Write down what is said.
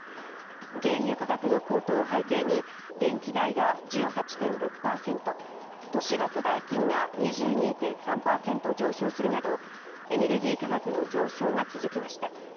原油価格の高騰を背景に電気代が１８．６％、都市ガス代金が２２．３％上昇するなどエネルギー価格の上昇が続きました。